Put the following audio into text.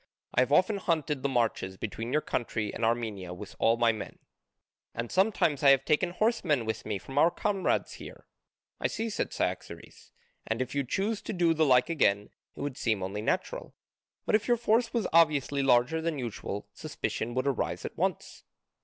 I have often hunted the marches between your country and Armenia with all my men, and sometimes I have taken horsemen with me from our comrades here." "I see," said Cyaxares, "and if you chose to do the like again it would seem only natural, but if your force was obviously larger than usual, suspicion would arise at once."